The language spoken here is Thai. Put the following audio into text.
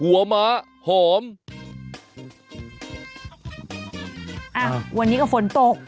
วันนี้ก็ฝนตก